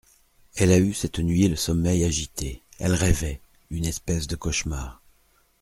Elle a eu cette nuit le sommeil agité, elle rêvait … une espèce de cauchemar …